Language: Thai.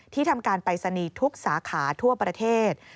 ทำการปรายศนีย์ทุกสาขาทั่วประเทศ